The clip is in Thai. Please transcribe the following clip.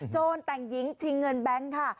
แต่งหญิงชิงเงินแบงค์ค่ะ